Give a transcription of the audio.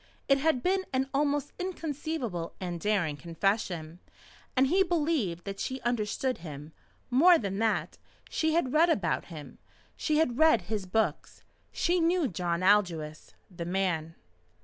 It had been an almost inconceivable and daring confession, and he believed that she understood him. More than that, she had read about him. She had read his books. She knew John Aldous the man.